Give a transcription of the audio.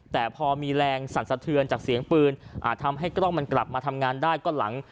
แต่พอมีแรงสั่นสะเทือนจากเสียงปืนทำให้กล้องมันกลับมาทำงานได้ก็หลัง